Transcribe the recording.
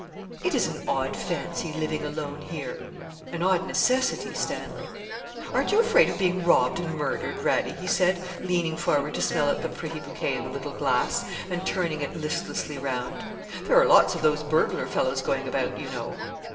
'It is an odd fancy, living alone here.' 'An odd necessity, Stanley.' 'Aren't you afraid of being robbed and murdered, Radie?' he said, leaning forward to smell at the pretty bouquet in the little glass, and turning it listlessly round. 'There are lots of those burglar fellows going about, you know.'